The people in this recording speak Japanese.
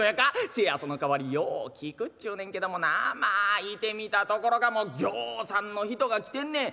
「せやそのかわりよう効くっちゅうねんけどもなまあ行てみたところがもうぎょうさんの人が来てんねん。